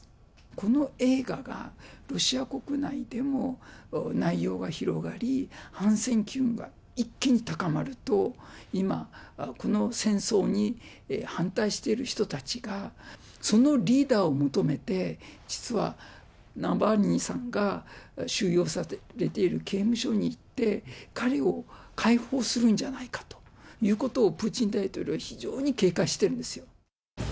この映画がロシア国内でも内容が広がり、反戦機運が一気に高まると、今、この戦争に反対している人たちが、そのリーダーを求めて、実は、ナワリヌイさんが収容されている刑務所に行って、彼を解放するんじゃないかということをプーチン大統領は非常に警戒してるんですよ。